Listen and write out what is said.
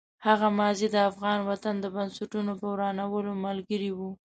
هغه ماضي د افغان وطن د بنسټونو په ورانولو ملګرې وه.